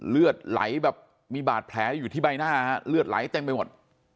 เลือดไหลแบบมีบาดแผลอยู่ที่ใบหน้าเลือดไหลเต็มไปหมด